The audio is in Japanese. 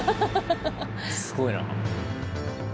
すごいな。